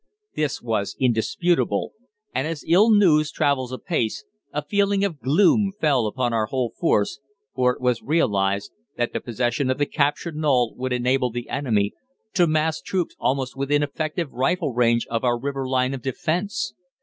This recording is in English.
This was indisputable, and as ill news travels apace, a feeling of gloom fell upon our whole force, for it was realised that the possession of the captured knoll would enable the enemy to mass troops almost within effective rifle range of our river line of defence.